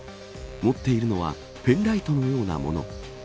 持っているのはペンライトのようなもの。